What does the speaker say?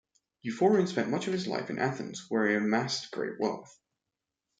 Euphorion spent much of his life in Athens, where he amassed great wealth.